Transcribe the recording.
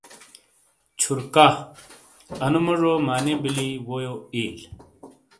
چھورکا ، انو مجو معنی بیلی، وےیو اییل ۔